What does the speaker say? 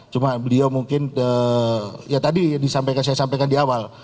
cuma beliau mungkin ya tadi saya sampaikan di awal